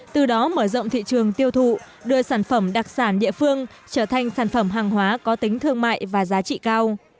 từ đó mở rộng thị trường tiêu thụ đưa sản phẩm đặc sản địa phương trở thành sản phẩm hàng hóa có tính thương mại và giá trị cao